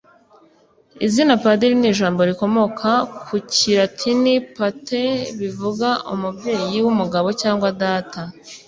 Izina Padiri ni ijambo rikomoka ku kilatini ‘pater’ bivuga umubyeyi w’umugabo cyangwa data